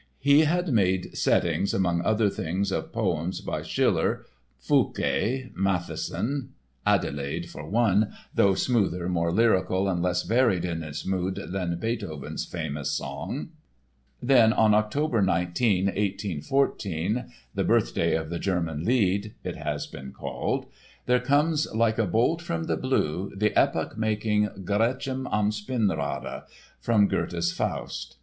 He had made settings among other things of poems by Schiller, Fouqué, Mattheson (Adelaide, for one, though smoother, more lyrical and less varied in its mood than Beethoven's famous song). Then, on October 19, 1814—"the birthday of the German Lied" it has been called—there comes like a bolt from the blue the epoch making Gretchen am Spinnrade, from Goethe's Faust.